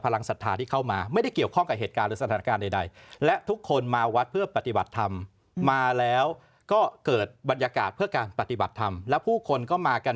แล้วก็ปฏิบัติธรรมและผู้คนก็มากัน